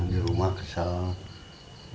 di rumah kesal